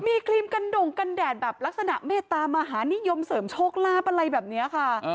มีครีมกันโด่งกันแดดแบบลักษณะเมตตามหานิยมเสริมโชคลาภอะไรแบบนี้ค่ะ